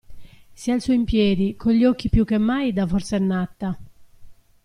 Si alzò in piedi, con gli occhi più che mai da forsennata.